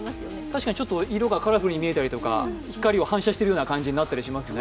確かに、色がカラフルに見えたり光を反射してるように見えたりしますね。